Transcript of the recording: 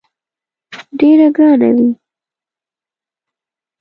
ډېره ګرانه وي.